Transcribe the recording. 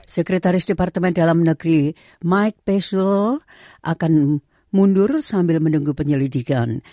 sekretaris departemen dalam negeri mike pecil akan mundur sambil menunggu penyelidikan